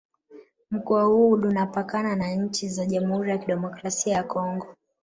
Mkoa huu Lunapakana na nchi za Jamhuri ya Kidemokrasi ya Kongo